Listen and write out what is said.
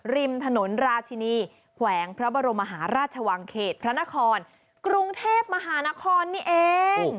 ริมถนนราชินีแขวงพระบรมมหาราชวังเขตพระนครกรุงเทพมหานครนี่เอง